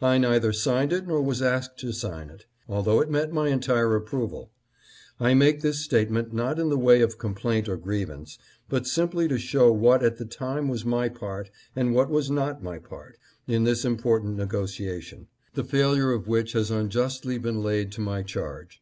I neither signed it nor was asked to sign it, although it met my entire approval. I make this statement not in the way of complaint or grievance, but simply to show what, at the time, was my part, and what was not my part, in this important negotiation, the failure of which has unjustly been laid to my charge.